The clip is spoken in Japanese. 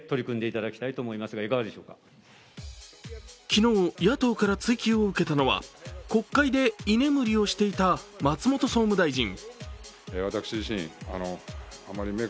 昨日、野党から追及を受けたのは国会で居眠りをしていた松本総務大臣。